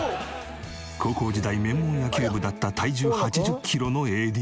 高校時代名門野球部だった体重８０キロのＡＤ君も。